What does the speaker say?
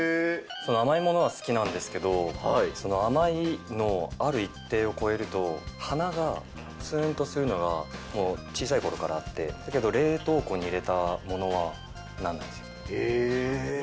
その甘いものが好きなんですけど、甘いのある一定を超えると、鼻がつーんとするのが、もう小さいころからあって、だけど冷凍庫に入れたものは、ならないんですよ。